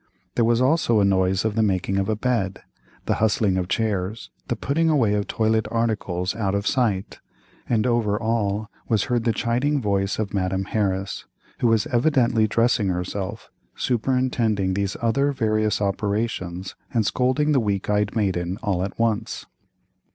There was also a noise of the making of a bed, the hustling of chairs, the putting away of toilet articles out of sight, and over all was heard the chiding voice of Madame Harris, who was evidently dressing herself, superintending these other various operations, and scolding the weak eyed maiden all at once.